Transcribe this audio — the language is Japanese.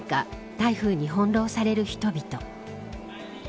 台風に翻弄される人々。